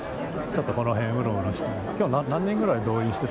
ちょっとこの辺、うろうろして。